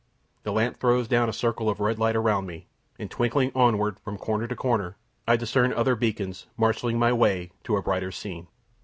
The lamp throws down a circle of red light around me; and twinkling onward from corner to corner, I discern other beacons marshalling my way to a brighter scene.